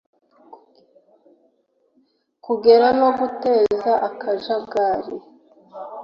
kurega no guteza akajagari